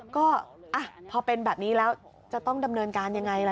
ก็พอเป็นแบบนี้แล้วจะต้องดำเนินการยังไงล่ะ